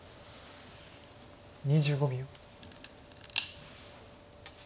２５秒。